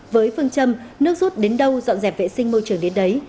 với phương châm nước rút đến đâu dọn dẹp vệ sinh môi trường đến đấy